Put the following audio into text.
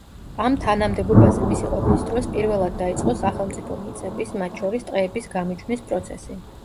ამ თანამდებობაზე მისი ყოფნის დროს პირველად დაიწყო სახელმწიფო მიწების, მათ შორის ტყეების გამიჯვნის პროცესი.